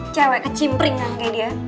cewek kecimpringan kayak dia